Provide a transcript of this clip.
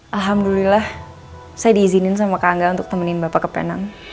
alhamdulillah saya diizinin sama kak angga untuk temenin bapak ke penang